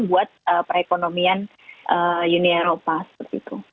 buat perekonomian uni eropa seperti itu